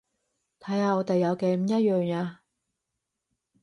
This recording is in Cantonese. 睇下我哋有幾唔一樣呀